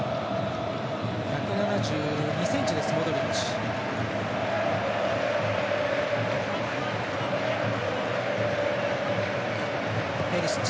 １７２ｃｍです、モドリッチ。